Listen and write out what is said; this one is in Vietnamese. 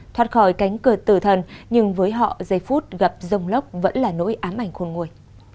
thoát khỏi cánh cửa tử thần nhưng với họ giây phút gặp rông lốc vẫn là nỗi ám ảnh khôn nguồi